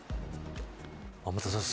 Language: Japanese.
天達さん